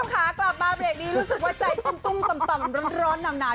คุณผู้ชมขากลับมาเวลานี้รู้สึกว่าใจจุ้มตุ้มต่ำร้อนหนาว